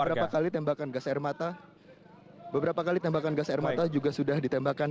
beberapa kali tembakan gas air mata beberapa kali tembakan gas air mata juga sudah ditembakkan